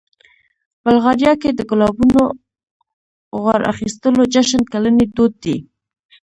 بلغاریا کې د ګلابونو غوړ اخیستلو جشن کلنی دود دی.